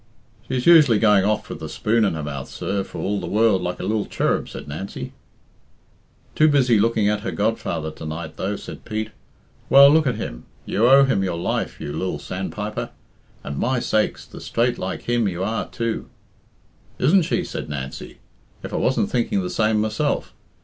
"She's us'ally going off with the spoon in her mouth, sir, for all the world like a lil cherub," said Nancy. "Too busy looking at her godfather to night, though," said Pete. "Well, look at him. You owe him your life, you lil sandpiper. And, my sakes, the straight like him you are, too!" "Isn't she?" said Nancy. "If I wasn't thinking the same myself!